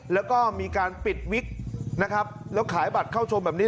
แล้วก็มีการปิดวิกนะครับแล้วขายบัตรเข้าชมแบบนี้